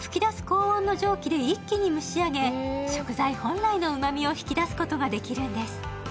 高温の蒸気で一気に蒸し上げ食材本来のうまみを引き出すことができるんです。